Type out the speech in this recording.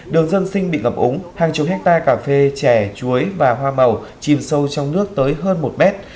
đường dân sinh bị ngập úng hàng chục hectare cà phê chè chuối và hoa màu chìm sâu trong nước tới hơn một mét